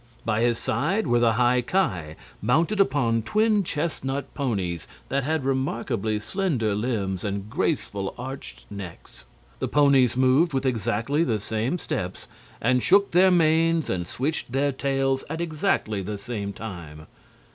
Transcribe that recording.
By his side were the High Ki, mounted upon twin chestnut ponies that had remarkably slender limbs and graceful, arched necks. The ponies moved with exactly the same steps, and shook their manes and swished their tails at exactly the same time.